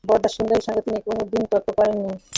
বরদাসুন্দরীর সঙ্গে তিনি কোনোদিন তর্ক করিতেন না।